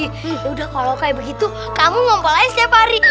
yaudah kalau kayak begitu kamu ngomong lain setiap hari